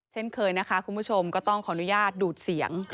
เช่นเคยนะคะคุณผู้ชมก็ต้องขออนุญาตดูดเสียง